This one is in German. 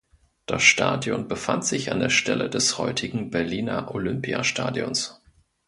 Das Stadion befand sich an der Stelle des heutigen Berliner Olympiastadions.